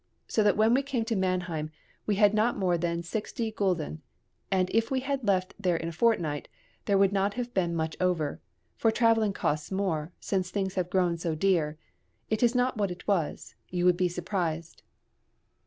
So that when we came to Mannheim we had not more than sixty gulden, and if we had left in a fortnight, there would not have been much over. For travelling costs more, since things have grown so dear; it is not what it was you would be surprised.